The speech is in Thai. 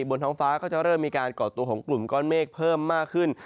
บนท้องฟ้าก็จะเริ่มมีการก่อตัวของกลุ่มก้อนเมฆเพิ่มมากขึ้น